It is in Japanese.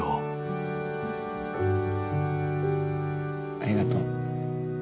ありがとう。